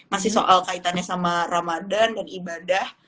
masih soal kaitannya sama ramadan dan ibadah